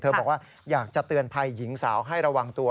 บอกว่าอยากจะเตือนภัยหญิงสาวให้ระวังตัว